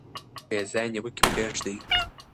بې ځایه نیوکې پریږدئ.